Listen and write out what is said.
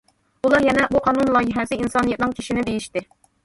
ئۇلار يەنە: بۇ قانۇن لايىھەسى ئىنسانىيەتنىڭ كىشىنى دېيىشتى.